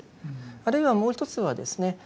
あるいはもう一つはですね